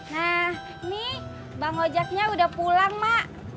nah ini bang ojaknya udah pulang ma